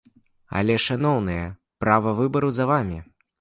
Але, шаноўныя, права выбару за вамі.